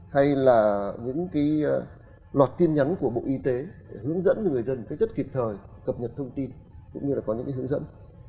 hay là những loạt tiên nhắn của bộ y tế hướng dẫn người dân rất kịp thời cập nhật thông tin cũng như là có những hướng dẫn